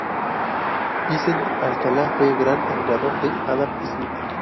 Vicente Alcalá fue un gran admirador de Adam Smith.